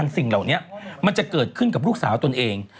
สิ่งเหล่านี้มันจะเกิดขึ้นกับลูกสาวตนเอง